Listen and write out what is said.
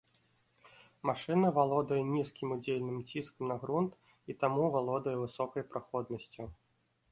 Машына валодае нізкім удзельным ціскам на грунт і таму валодае высокай праходнасцю.